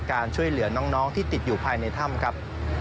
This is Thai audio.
การช่วยเหลือน้องที่ติดอยู่ภายในถ้ำครับ